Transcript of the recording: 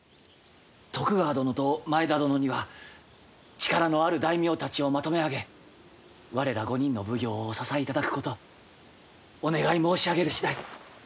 徳川殿と前田殿には力のある大名たちをまとめ上げ我ら５人の奉行をお支えいただくことお願い申し上げる次第。